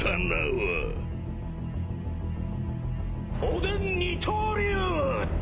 おでん二刀流！